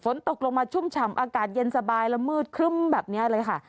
ฝนตกลงมาชุ่มฉ่ำอากาศเย็นสบายและมืดครึ่มแบบนี้เลยค่ะ